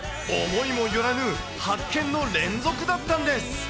思いも寄らぬ発見の連続だったんです。